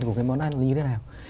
của cái món ăn là như thế nào